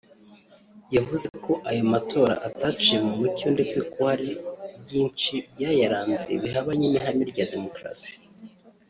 yavuze ko ayo matora ataciye mu mucyo ndetse ko hari byinshi byayaranze bihabanye n’ihame rya demokarasi